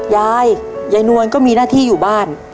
ยายยายนวลก็มีหน้าที่อยู่บ้าน